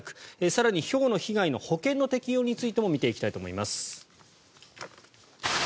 更に、ひょうの被害の保険の適用についても見ていきたいと思います。